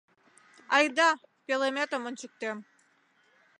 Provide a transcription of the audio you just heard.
— Айда, пӧлеметым ончыктем.